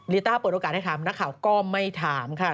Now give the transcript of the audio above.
ต้าเปิดโอกาสให้ถามนักข่าวก็ไม่ถามค่ะ